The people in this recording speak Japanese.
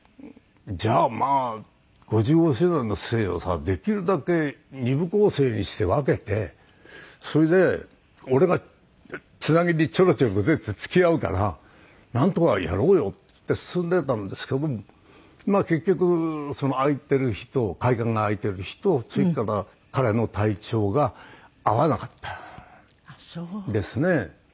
じゃあまあ５５周年のステージをさできるだけ２部構成にして分けてそれで俺がつなぎにちょろちょろ出て付き合うからなんとかやろうよ」って言って進んでたんですけど結局空いてる日と会館が空いてる日とそれから彼の体調が合わなかったんですね。